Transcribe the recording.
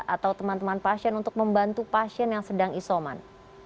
atau teman teman pasien untuk membantu pasien yang sedang isoman